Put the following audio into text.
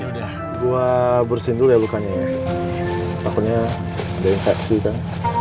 yaudah gue bursin dulu ya lukanya ya takutnya ada infeksi kan